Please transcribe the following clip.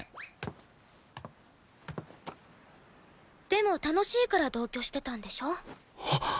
でも楽しいから同居してたんでしょ？